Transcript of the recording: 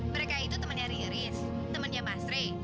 mereka itu temannya riris temannya mas rey